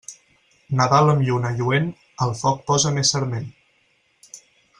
Nadal amb lluna lluent, al foc posa més sarment.